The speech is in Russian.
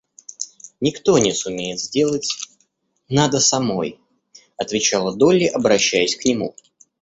Никто не сумеет сделать, надо самой, — отвечала Долли, обращаясь к нему.